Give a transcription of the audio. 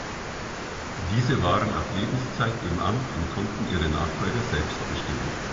Diese waren auf Lebenszeit im Amt und konnten ihre Nachfolger selbst bestimmen.